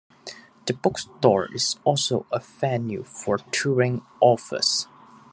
The Bookstore is also a venue for touring authors.